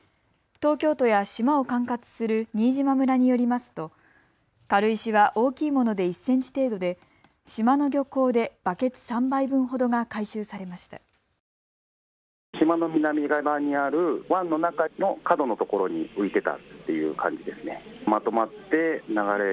東京都や島を管轄する新島村によりますと軽石は大きいもので１センチ程度で島の漁港でバケツ３杯分ほどが回収されました。